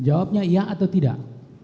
jawabnya iya atau tidak